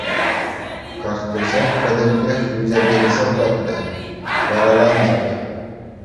Карттусӗ пӗтӗмпех лӳчӗркенсе пӗтнӗ, вараланчӑк.